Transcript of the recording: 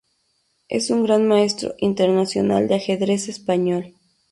Es un Gran Maestro Internacional de ajedrez español.